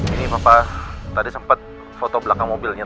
ini papa tadi sempet foto belakang mobilnya